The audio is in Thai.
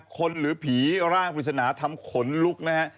หรือผีร่างปริศนาทำขนลุกนะฮะ